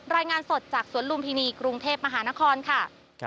รายงานสดจากสวนลุมพินีกรุงเทพมหานครค่ะ